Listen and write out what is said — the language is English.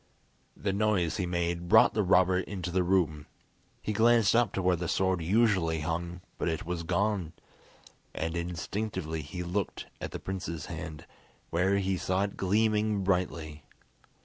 The noise he made brought the robber into the room. He glanced up to where the sword usually hung, but it was gone; and instinctively he looked at the prince's hand, where he saw it gleaming brightly.